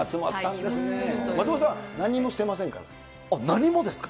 松本さん、何もしてませんか何もですか？